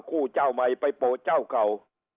กู้เจ้าใหม่ไปโปรเจ้าเขา